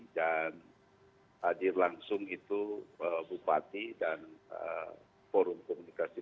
dan hadir langsung itu bupati dan forum komunikasi